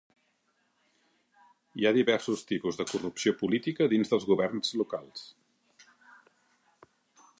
Hi ha diversos tipus de corrupció política dins els governs locals.